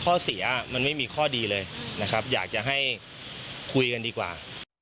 ข้อเสียมันไม่มีข้อดีเลยนะครับอยากจะให้คุยกันดีกว่า